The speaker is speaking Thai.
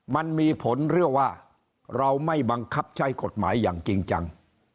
มันมีผลเรื่องว่าเราไม่บังคับใช้กฎหมายอย่างจริงจัง